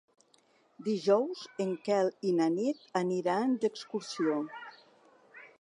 Dijous en Quel i na Nit aniran d'excursió.